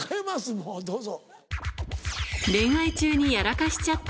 もうどうぞ。